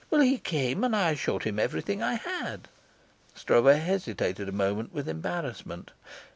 Well, he came, and I showed him everything I had." Stroeve hesitated a moment with embarrassment.